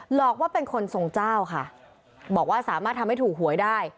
หลอกว่าเป็นคนทรงเจ้าค่ะบอกว่าสามารถทำให้ถูกหวยได้